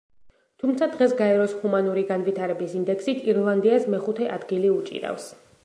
თუმცა დღეს გაეროს ჰუმანური განვითარების ინდექსით ირლანდიას მეხუთე ადგილი უჭირავს.